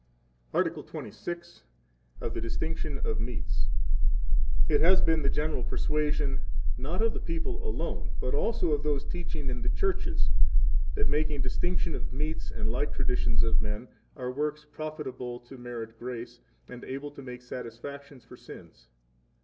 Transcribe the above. Article XXVI. Of the Distinction of Meats. 1 It has been the general persuasion, not of the people alone, but also of those teaching in the churches, that making Distinctions of Meats, and like traditions of men, are works profitable to merit grace, and able to make satisfactions for sins.